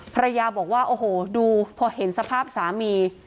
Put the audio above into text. ภรรยาบอกว่าโอ้โหดูพอเห็นสภาพสามี